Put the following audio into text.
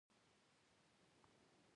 تاسو تر اوسه پورې ولې نه يې راغلی.